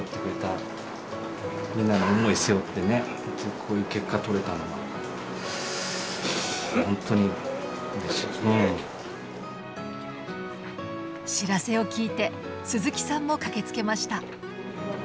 こういう結果とれたのが知らせを聞いて鈴木さんも駆けつけました。